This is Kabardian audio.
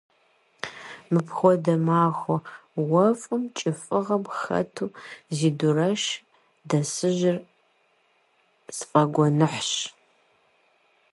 Мыпхуэдэ махуэ уэфӀым кӀыфӀыгъэм хэту зи дурэш дэсыжыр сфӀэгуэныхьщ.